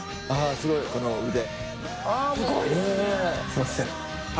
すごいこの腕。